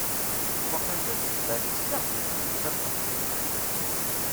Wakil d iḍ s tebrek-is i aɣ-d-yettakken tabɣest?